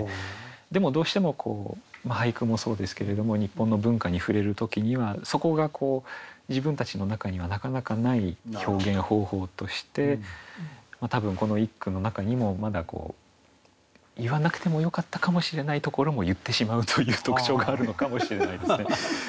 でもどうしても俳句もそうですけれども日本の文化に触れる時にはそこが自分たちの中にはなかなかない表現方法として多分この一句の中にもまだ言わなくてもよかったかもしれないところも言ってしまうという特徴があるのかもしれないですね。